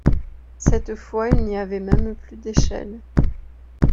Cette fois il n'y avait même plus d'échelles.